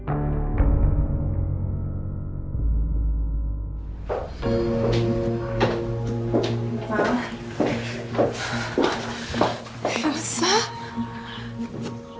aku siapin makanan buat mama ya